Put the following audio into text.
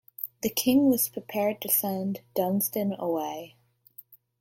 The king was prepared to send Dunstan away.